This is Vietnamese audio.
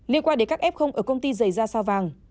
liên quan đến các f ở công ty giày gia sao vàng